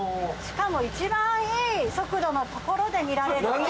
しかも一番いい速度のところで見られる。